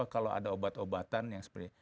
kalau ada obat obatan yang seperti